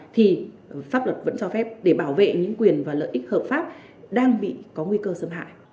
thì pháp luật vẫn cho phép để bảo vệ những quyền và lợi ích hợp pháp đang bị có nguy cơ xâm hại